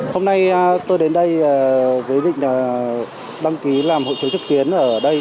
hôm nay tôi đến đây với định đăng ký làm hộ chiếu trực tuyến ở đây